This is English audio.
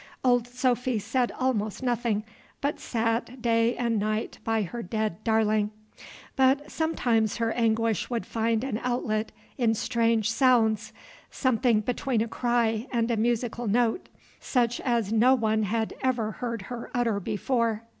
Old Sophy said almost nothing, but sat day and night by her dead darling. But sometimes her anguish would find an outlet in strange sounds, something between a cry and a musical note, such as noise had ever heard her utter before.